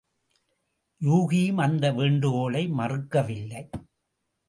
யூகியும் அந்த வேண்டுகோளை மறுக்கவில்லை.